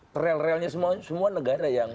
trail relnya semua negara yang